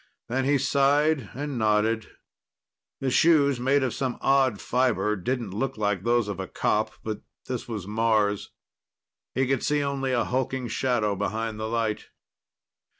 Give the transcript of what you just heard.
Then he sighed and nodded. The shoes, made of some odd fiber, didn't look like those of a cop, but this was Mars. He could see only a hulking shadow behind the light.